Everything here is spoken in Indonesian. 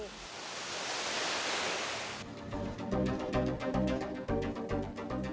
desa wisata cikolelet